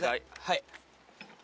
はい。